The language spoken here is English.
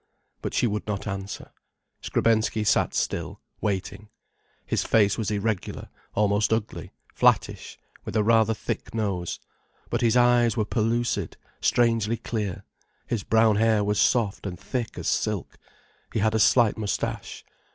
But she would not answer. Skrebensky sat still, waiting. His face was irregular, almost ugly, flattish, with a rather thick nose. But his eyes were pellucid, strangely clear, his brown hair was soft and thick as silk, he had a slight moustache.